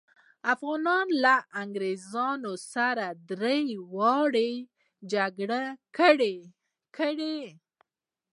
افغانانو له انګریزانو سره درې لويې جګړې وکړې.